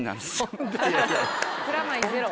プラマイゼロ。